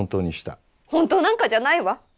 本当なんかじゃないわ。